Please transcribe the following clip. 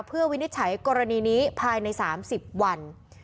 เพื่อวินิจฉัยกรณีนี้ภายใน๓๐วัน